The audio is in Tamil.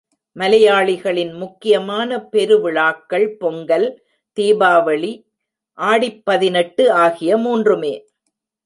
மலையாளிகளின் முக்கியமான பெருவிழாக்கள் பொங்கல், தீபாவளி, ஆடிப்பதினெட்டு ஆகிய மூன்றுமே.